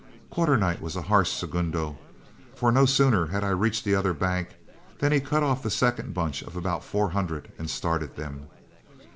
Quarternight was a harsh segundo, for no sooner had I reached the other bank than he cut off the second bunch of about four hundred and started them.